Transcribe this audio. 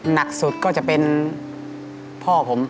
หนักสุดก็จะเป็นพ่อผม